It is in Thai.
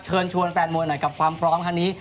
เชิญชวนแฟนมวยหน่อยกับความพร้อมครั้งนี้